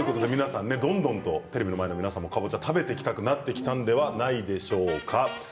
テレビの前の皆さんもかぼちゃを食べたくなってきたのではないでしょうか。